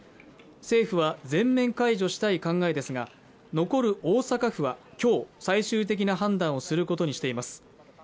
政府は全面解除したい考えですが残る大阪府はきょう最終的な判断をすることにしています